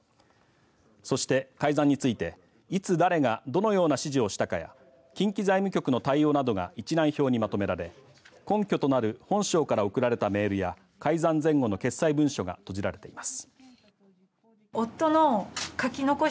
そして改ざんについて、いつ誰がどのような指示をしたかや近畿財務局の対応などが一覧表にまとめられ根拠となる本省から送られたメールや改ざん前後の決裁文書が閉じられています。